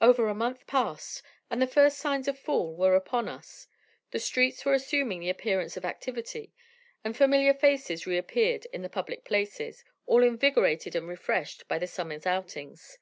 Over a month passed, and the first signs of fall were upon us. The streets were assuming the appearance of activity, and familiar faces reappeared in the public places, all invigorated and refreshed by the summer's outings.